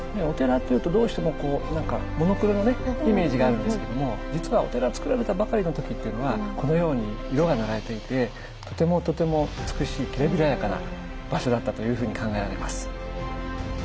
お寺っていうとどうしてもこう何かモノクロのねイメージがあるんですけども実はお寺つくられたばかりの時っていうのはこのように色が塗られていてとてもとても美しいきらびやかな場所だったというふうに考えられます。